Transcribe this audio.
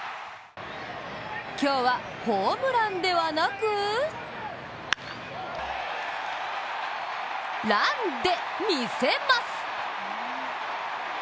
今日は、ホームランではなくランで見せます！